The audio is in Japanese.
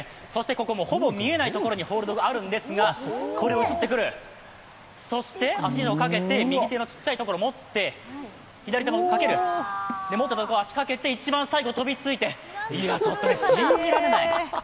ここ、ほぼ見えないところにホールドがあるんですが、これを移ってくるそして、足をかけて右手のちっちゃいところを持って、左手もかける、足をかけて一番最後、飛びついて、いやちょっと信じられない。